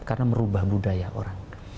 karena merubah budaya orang